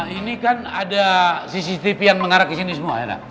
ini kan ada cctv yang mengarah kesini semua ya pak